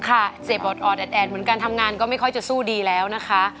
เสพออดแอดเหมือนกันทำงานก็ไม่ค่อยจะสู้ดีแล้วนะคะ